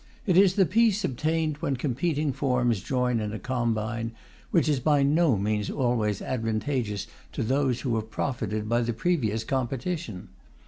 It is the peace obtained when competing firms join in a combine, which is by no means always advantageous to those who have profited by the previous competition.